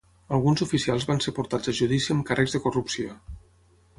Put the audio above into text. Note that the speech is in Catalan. Alguns oficials van ser portats a judici amb càrrecs de corrupció.